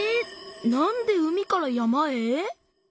なんで海から山へ？